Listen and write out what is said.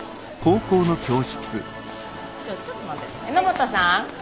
榎本さん！